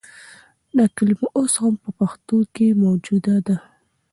دا کلمه اوس هم په پښتو کښې موجوده ده